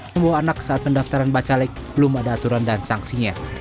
membawa anak saat pendaftaran bacalek belum ada aturan dan sanksinya